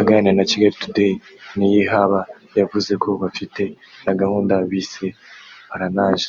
Aganira na Kigali Today Niyihaba yavuze ko bafite na gahunda bise parrainage